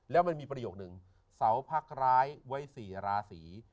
แล้วมันมีประโยคนึงเสาพักร้ายไว้๔ราศี